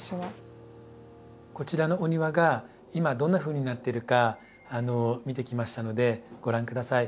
こちらのお庭が今どんなふうになってるか見てきましたのでご覧下さい。